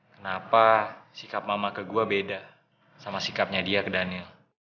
kenapa sikap mama ke gue beda sama sikapnya dia ke daniel